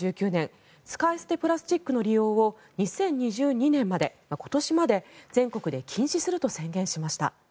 使い捨てプラスチックの利用を２０２２年まで、今年まで全国で禁止すると宣言しました。